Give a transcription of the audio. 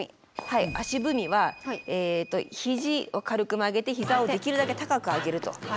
足踏みはひじを軽く曲げてひざをできるだけ高く上げると。